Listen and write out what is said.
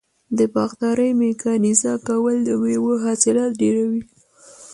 د باغدارۍ میکانیزه کول د میوو حاصلات ډیروي.